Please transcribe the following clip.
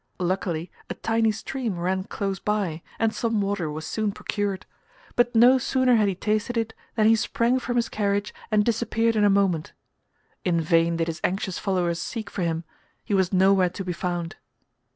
Luckily a tiny stream ran close by and some water was soon procured, but no sooner had he tasted it than he sprang from his carriage and disappeared in a moment. In vain did his anxious followers seek for him, he was nowhere to be found.